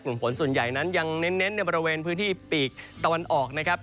ฝนส่วนใหญ่นั้นยังเน้นในบริเวณพื้นที่ปีกตะวันออกนะครับ